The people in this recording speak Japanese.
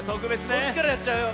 こっちからやっちゃうよ。